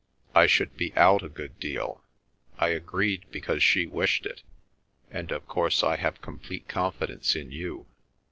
I should be out a good deal. I agreed because she wished it. And of course I have complete confidence in you.